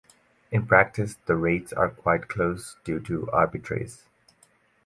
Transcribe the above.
In practice, the rates are quite close due to arbitrage.